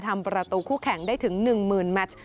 ทำประตูคู่แข่งได้ถึง๑๐๐๐แมช